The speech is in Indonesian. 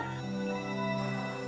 iya tunggu sebentar